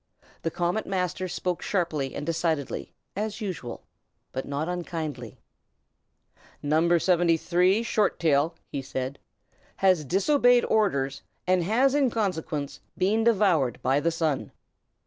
The Comet Master spoke sharply and decidedly, as usual, but not unkindly. "No. 73, Short Tail," he said, "has disobeyed orders, and has in consequence been devoured by the Sun."